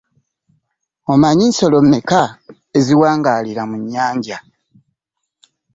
Omanyi nsolo mmekka eziwangalira mu nnyanja?